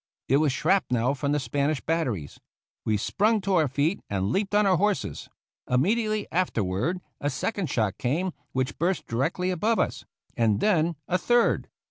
It was shrapnel from the Spanish batteries. We sprung to our feet and leaped on our horses. Im mediately afterward a second shot came which burst directly above us; and then a third.